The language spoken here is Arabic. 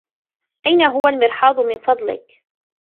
أين هو المرحاض، من فضلك؟